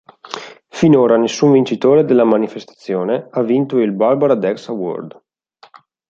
Finora nessun vincitore della manifestazione ha vinto il Barbara Dex Award.